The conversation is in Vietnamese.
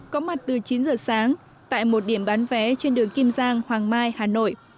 có mặt từ chín giờ sáng tại một điểm bán vé trên đường kim giang hoàng mai hà nội